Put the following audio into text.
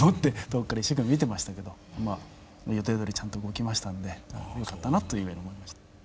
遠くから一生懸命見てましたけどまあ予定どおりちゃんと動きましたんでよかったなというふうに思いましたね。